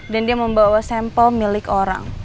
dan dia membawa sampel milik orang